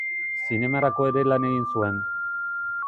Zinemarako ere lan egin zuen.